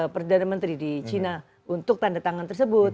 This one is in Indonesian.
perdana menteri di china untuk tanda tangan tersebut